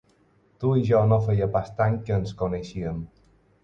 Tu i jo no feia pas tant que ens coneixíem.